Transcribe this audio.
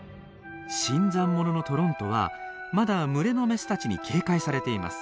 新参者のトロントはまだ群れのメスたちに警戒されています。